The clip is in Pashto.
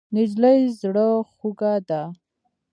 نجلۍ زړه خوږه ده.